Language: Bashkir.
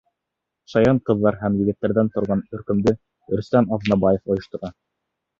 Шаян ҡыҙ һәм егеттәрҙән торған төркөмдө Рөстәм Аҙнабаев ойоштора.